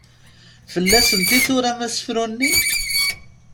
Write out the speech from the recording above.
Fell-asent i turamt asefru-nni?